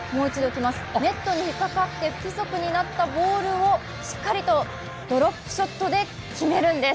ネットに引っかかって不規則になったボールをしっかりとドロップショットで決めるんです。